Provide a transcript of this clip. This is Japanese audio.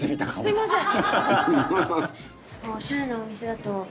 すみません。